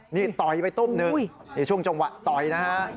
นี่ต่อยไปตุ้มหนึ่งในช่วงจังหวะต่อยนะฮะ